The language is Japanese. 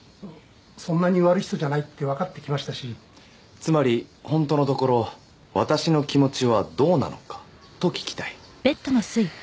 そんなに悪い人じゃないってわかってきましたしつまり本当のところ私の気持ちはどうなのか？と聞きたい？